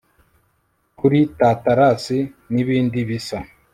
kuri thathalasi nibindi bisa